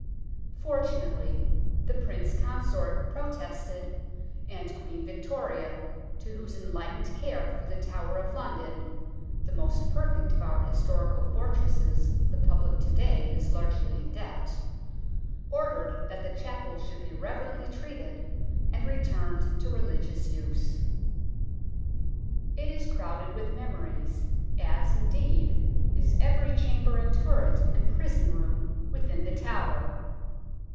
Fortunately, the Prince Consort protested ; and Queen Victoria, to whose enlightened care for the Tower of London, the most perfect of our historical fortresses, the public to day is largely in debt, ordered that the Chapel should be reverently treated, and returned to religious use. It is crowded with memories, as, indeed, is every chamber and turret and prison room within The Tower.